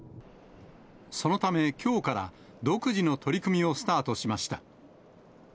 そのためきょうから、独自の取り組みをスタートしました。